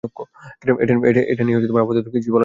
এটা নিয়ে আপাতত কিছুই বলা যাবে না।